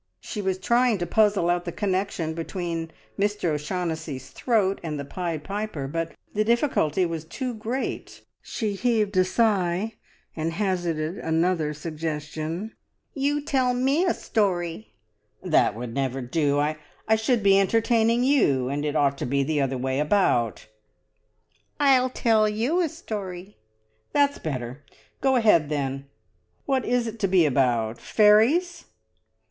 She was trying to puzzle out the connection between Mr O'Shaughnessy's throat and the Pied Piper, but the difficulty was too great. She heaved a sigh, and hazarded another suggestion. "You tell me a story!" "That would never do. I should be entertaining you, and it ought to be the other way about." "I'll tell you a story!" "That's better. Go ahead, then. What is it to be about? Fairies?"